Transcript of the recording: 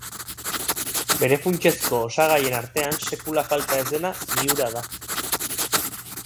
Bere funtsezko osagaien artean, sekula falta ez dena, mihura da.